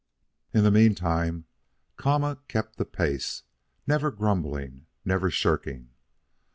In the meantime Kama kept the pace, never grumbling, never shirking.